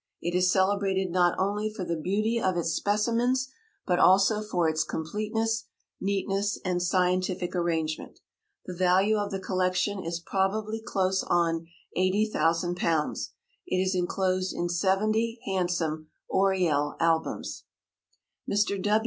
It is celebrated not only for the beauty of its specimens, but also for its completeness, neatness, and scientific arrangement. The value of the collection is probably close on £80,000. It is enclosed in seventy handsome Oriel albums. Mr.